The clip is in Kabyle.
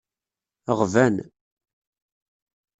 Ɣban.